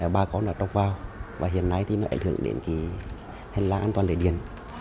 ba con đã trọc vào và hiện nay nó ảnh hưởng đến hình làng an toàn lễ điện